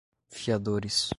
fiadores